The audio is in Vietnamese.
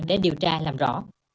để điều tra làm rõ